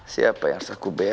siapa yang harus aku bela ya